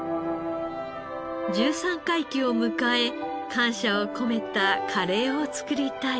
回忌を迎え感謝を込めたカレーを作りたい。